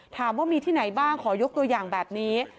ถามว่ามีที่ไหนบ้างขอยกตัวอย่างแบบนี้